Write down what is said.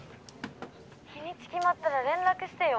日にち決まったら連絡してよ？